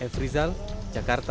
f rizal jakarta